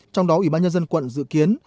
trong đó ủy ban nhân dân quận dự kiến